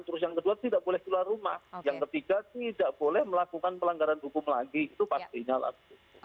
terus yang kedua tidak boleh keluar rumah yang ketiga tidak boleh melakukan pelanggaran hukum lagi itu pastinya lah